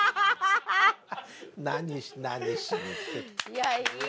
いやいい！